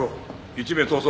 １名逃走。